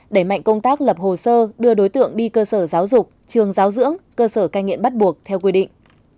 đẩy mạnh công tác lập hồ sơ đưa đối tượng đi cơ sở giáo dục trường giáo dưỡng cơ sở cai nghiện bắt buộc theo quy định